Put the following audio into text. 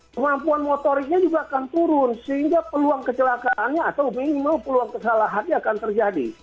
kemampuan motoriknya juga akan turun sehingga peluang kecelakaannya atau minimal peluang kesalahannya akan terjadi